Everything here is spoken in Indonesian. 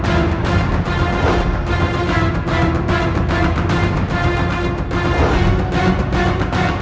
aku akan membunuhmu dengan diriku sendiri